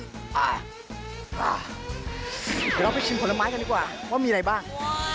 เดี๋ยวเราไปชิมผลไม้กันดีกว่าว่ามีอะไรบ้าง